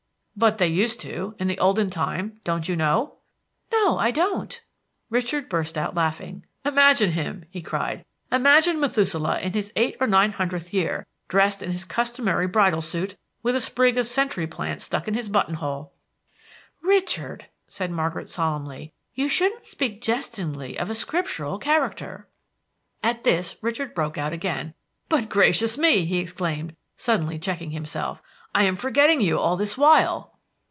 "But they used to, in the olden time, don't you know?" "No, I don't." Richard burst out laughing. "Imagine him," he cried, "imagine Methuselah in his eight or nine hundredth year, dressed in his customary bridal suit, with a sprig of century plant stuck in his button hole!" "Richard," said Margaret solemnly, "you shouldn't speak jestingly of a scriptural character." At this Richard broke out again. "But gracious me!" he exclaimed, suddenly checking himself. "I am forgetting you all this while!"